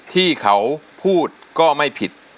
ที่เขาพูดก็ไม่ผิด